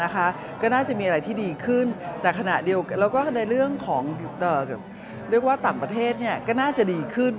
ก็น่าจะมีอะไรที่ดีขึ้นแต่ขณะเดียวกันแล้วก็ในเรื่องของเรียกว่าต่างประเทศก็น่าจะดีขึ้น